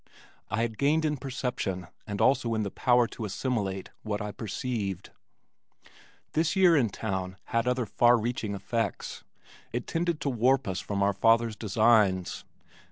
I had gained in perception and also in the power to assimilate what I perceived. This year in town had other far reaching effects. It tended to warp us from our father's designs.